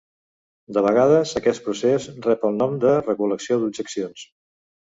De vegades aquest procés rep el nom de "recol·lecció d'objeccions".